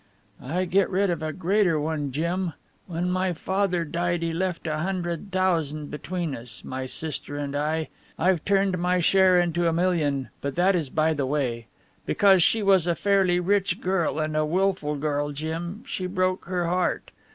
"I get rid of a greater one, Jim. When my father died he left a hundred thousand between us, my sister and I. I've turned my share into a million, but that is by the way. Because she was a fairly rich girl and a wilful girl, Jim, she broke her heart.